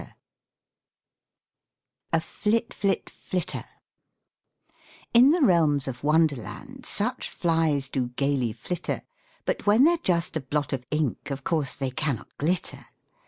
A FLIT FLIT FLITTER In the realms of wonderland Such flies do gaily flitter, But when they're just a blot of ink Of course they cannot glitter.